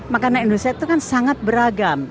makanan indonesia itu kan sangat beragam